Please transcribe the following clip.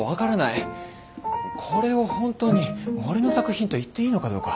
これを本当に俺の作品と言っていいのかどうか。